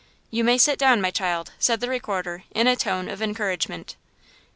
"You may sit down, my child," said the Recorder, in a tone of encouragement.